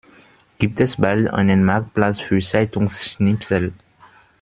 Gibt es bald einen Marktplatz für Zeitungsschnipsel?